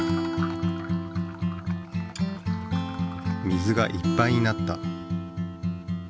水がいっぱいになった。